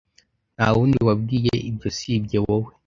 Ntawundi wabwiye, ibyo sibye wowe?